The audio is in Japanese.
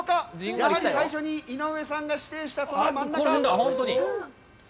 やはり最初に井上さんが指定した真ん中！